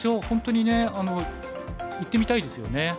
本当にね行ってみたいですよね。